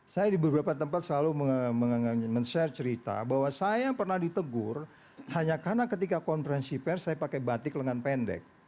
saya di beberapa tempat selalu men share cerita bahwa saya pernah ditegur hanya karena ketika konferensi pers saya pakai batik lengan pendek